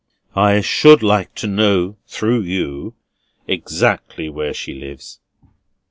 "I should like to know, through you, exactly where she lives."